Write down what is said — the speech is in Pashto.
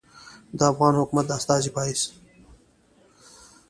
د افغان حکومت د استازي پۀ حېث